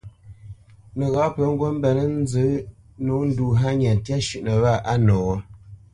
Nəghǎ pə ŋgǔt mbenə́ nzə nǒ ndu hánya ntyá shʉ́ʼnə wâ noghó.